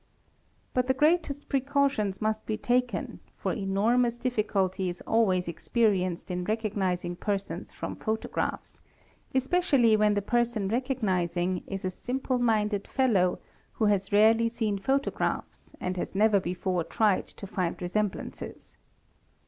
But the greatest precautions must be taken, for enormou difficulty is always experienced in recognizing persons from photographs especially when the person recognizing is a simple minded fellow wh has rarely seen photographs and has never before tried to find resemblar ces.